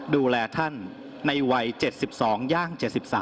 ดูแลท่านในวัย๗๒ย่าง๗๓